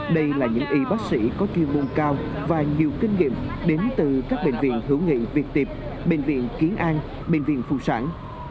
đây là những y bác sĩ có chuyên môn cao và nhiều kinh nghiệm đến từ các bệnh viện hữu nghị việt tiệp bệnh viện kiến an bệnh viện phụ sản